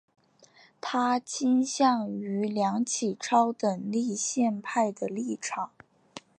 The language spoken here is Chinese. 他倾向于梁启超等立宪派的立场。